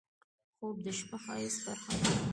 خوب د شپه د ښایست برخه ده